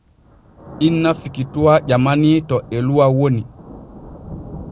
Inna Fikituwa ƴamanii to Eluwa woni.